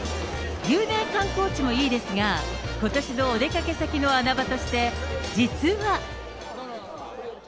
有名観光地もいいですが、ことしのお出かけ先の穴場として、実は。